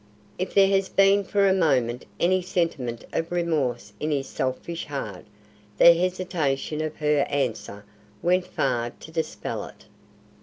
If there had been for a moment any sentiment of remorse in his selfish heart, the hesitation of her answer went far to dispel it.